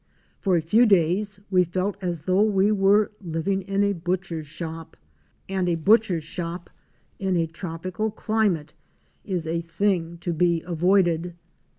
For a few days we felt as though we were living in a butcher's shop; and a butcher's shop in a tropical climate is a thing to be avoided.